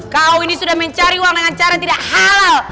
kau ini sudah mencari uang dengan cara yang tidak halal